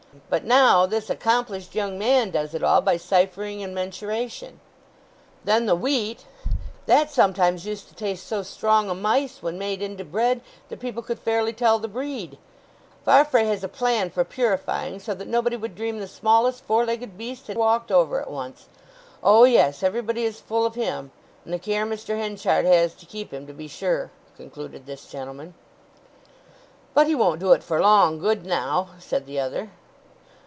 But now this accomplished young man does it all by ciphering and mensuration. Then the wheat—that sometimes used to taste so strong o' mice when made into bread that people could fairly tell the breed—Farfrae has a plan for purifying, so that nobody would dream the smallest four legged beast had walked over it once. O yes, everybody is full of him, and the care Mr. Henchard has to keep him, to be sure!" concluded this gentleman. "But he won't do it for long, good now," said the other.